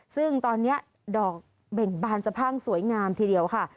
ซึ่งตอนนี้ดอกเบ่งบานสะพั่งสวยงามทีเดียวค่ะ